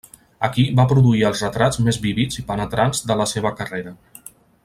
Aquí va produir els retrats més vívids i penetrants de la seva carrera.